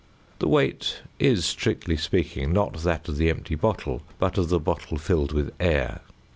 The weight is, strictly speaking, not that of the empty bottle, but of the bottle filled with air.